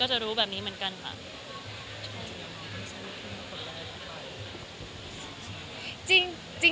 จะรู้แบบนี้เหมือนกันค่ะ